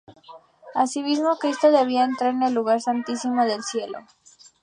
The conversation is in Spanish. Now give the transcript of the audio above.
Asimismo Cristo debía entrar en el Lugar Santísimo del cielo.